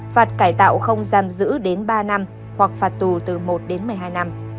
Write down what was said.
phạt cải tạo không giam giữ đến ba năm hoặc phạt tù từ một đến một mươi hai năm